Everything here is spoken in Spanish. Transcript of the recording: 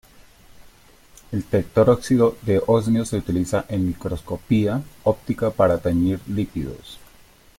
El tetróxido de osmio se utiliza en microscopía óptica para teñir lípidos.